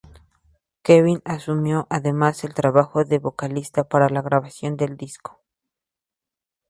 Kevin asumió además el trabajo de vocalista para la grabación del disco.